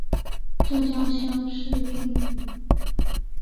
浙江乡试中举。